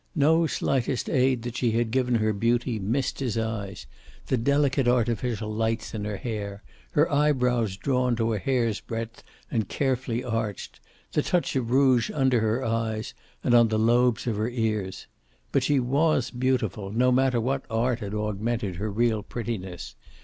No slightest aid that she had given her beauty missed his eyes, the delicate artificial lights in her hair, her eyebrows drawn to a hair's breadth and carefully arched, the touch of rouge under her eyes and on the lobes of her ears. But she was beautiful, no matter what art had augmented her real prettiness.